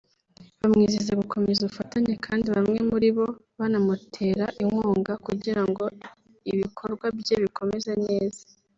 bamwizeza gukomeza ubufatanye kandi bamwe muri bo banamutera inkunga kugirango ibikorwa bye bikomeze neza